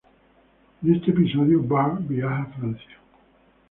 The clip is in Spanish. En este episodio, Bart viaja a Francia.